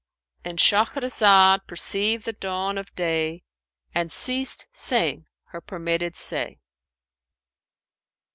"—And Shahrazad perceived the dawn of day and ceased saying her permitted say.